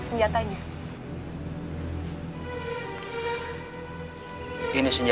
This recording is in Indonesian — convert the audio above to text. tentu kami semua